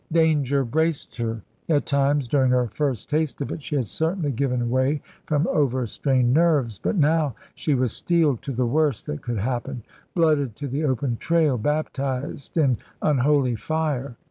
Danger braced her. At times, during her first taste of it, she had certainly given way from overstrained nerves; but now she was steeled to the worst that could happen, blooded to the open trail, baptised in unholy fire.